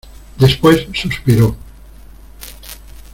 después suspiró: